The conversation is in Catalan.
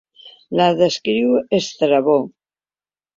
La descriu Estrabó.